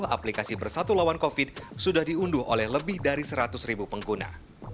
aplikasi bersatu lawan covid sembilan belas sudah diunduh oleh lebih dari seratus ribu pengguna